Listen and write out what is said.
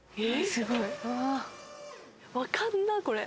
すごい分かんなっこれ